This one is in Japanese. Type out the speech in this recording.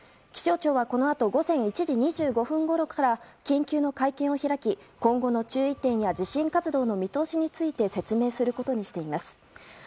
気象庁はこのあと午前１時２５分ごろから緊急の会見を開き今後の注意点や地震活動の見通しについて説明することにしています。